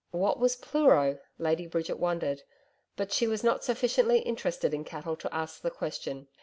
What was Pleuro? Lady Bridget wondered, but she was not sufficiently interested in cattle to ask the question.